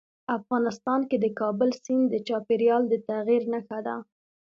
افغانستان کې د کابل سیند د چاپېریال د تغیر نښه ده.